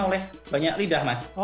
oleh banyak lidah mas